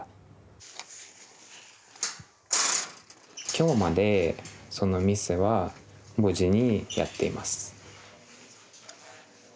今日までその店は無事にやっています。